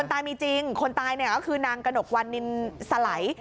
ตายมีจริงคนตายเนี่ยก็คือนางกระหนกวันนินสไหล